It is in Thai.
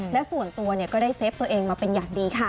และส่วนตัวก็ได้เซฟตัวเองมาเป็นอย่างดีค่ะ